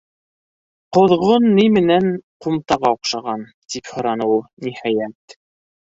—Ҡоҙғон ни менән ҡумтаға оҡшаған? —тип һораны ул, ниһайәт.